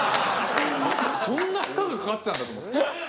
そんな負荷がかかってたんだと思って。